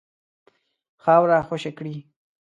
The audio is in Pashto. خاوره خوشي کړي.